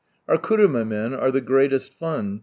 Our kurunia men are the greatest fun.